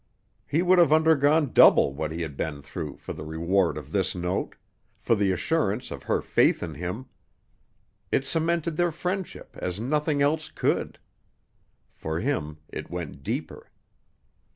He would have undergone double what he had been through for the reward of this note for this assurance of her faith in him. It cemented their friendship as nothing else could. For him it went deeper.